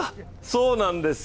そうなんです